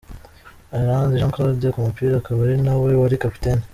Iranzi Jean Claude ku mupira akaba ari nawe wari kapiteni.